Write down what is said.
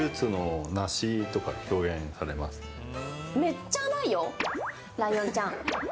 めっちゃ甘いよライオンちゃん。